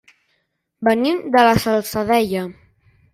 Venim de la Salzadella.